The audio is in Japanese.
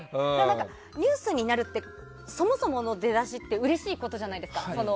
ニュースになるってそもそもの出だしってうれしいことじゃないですか。